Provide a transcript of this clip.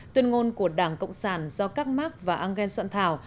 tuyên ngôn của đảng cộng sản do các mark và engel soạn thảo